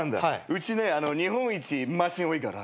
うちね日本一マシン多いから。